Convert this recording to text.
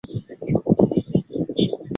他所属的相扑部屋是阿武松部屋。